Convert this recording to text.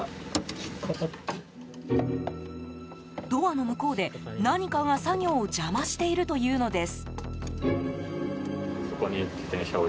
ドアの向こうで何かが作業を邪魔しているというのです。